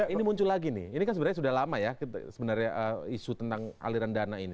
ini muncul lagi nih ini kan sebenarnya sudah lama ya sebenarnya isu tentang aliran dana ini